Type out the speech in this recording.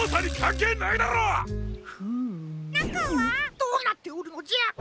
どうなっておるのじゃ？